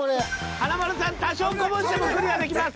華丸さん多少こぼしてもクリアできます。